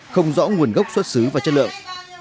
không rõ nguồn gốc xuất xứ và chất lượng